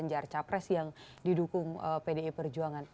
dan jarca pres yang didukung pdi perjuangan